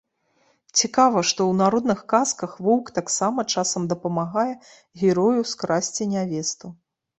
Цікава, што ў народных казках воўк таксама часам дапамагае герою скрасці нявесту.